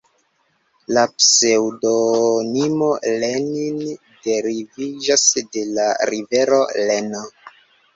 La pseŭdonimo Lenin deriviĝas de la rivero Leno.